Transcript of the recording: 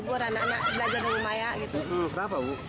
buat orang lain